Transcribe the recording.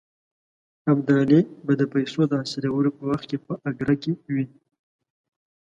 ابدالي به د پیسو د حاصلولو په وخت کې په اګره کې وي.